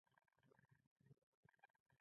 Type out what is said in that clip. د رنسانس وروسته کوم بدلونونه منځته راغلل؟